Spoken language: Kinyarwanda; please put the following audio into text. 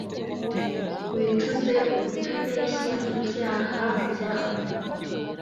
wicuze ubutabeshya ibyaha byawe